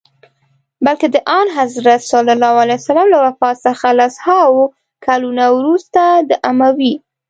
بلکه د آنحضرت ص له وفات څخه لس هاوو کلونه وروسته د اموي.